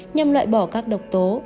nhằm loại bỏ các độc tố